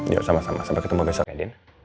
ya sama sama sampai ketemu besok ya din